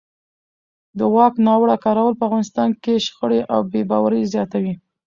د واک ناوړه کارول په افغانستان کې شخړې او بې باورۍ زیاتوي